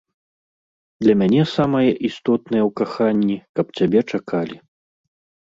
Для мяне самае істотнае ў каханні, каб цябе чакалі.